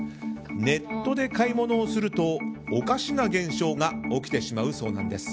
ネットで買い物をするとおかしな現象が起きてしまうそうなんです。